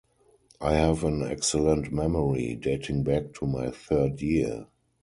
I have an excellent memory, dating back to my third year.